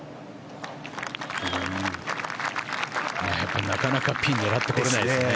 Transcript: やっぱりなかなかピンを狙ってこれないですね。